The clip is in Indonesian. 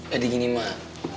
jadi gini mah